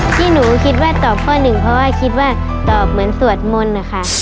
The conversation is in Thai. ที่หนูคิดว่าตอบข้อหนึ่งเพราะว่าคิดว่าตอบเหมือนสวดมนต์นะคะ